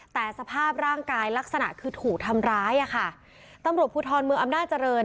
แต่สภาพร่างกายลักษณะคือถูกทำร้ายอ่ะค่ะตำรวจภูทรเมืองอำนาจริง